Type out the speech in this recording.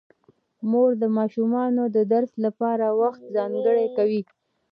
مور د ماشومانو د درس لپاره وخت ځانګړی کوي